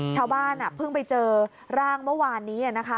ชาวบ้านเพิ่งไปเจอร่างเมื่อวานนี้นะคะ